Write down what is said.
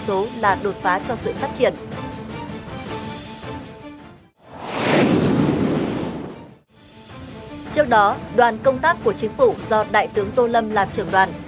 trước đó đoàn công tác của chính phủ do đại tướng tô lâm làm trưởng đoàn